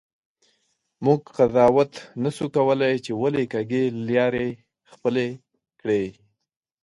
مونږ قضاوت نسو کولی چې ولي کږې لیارې خپلي کړي.